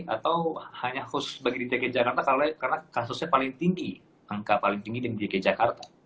atau hanya khusus bagi dg jakarta karena kasusnya paling tinggi angka paling tinggi dari dg jakarta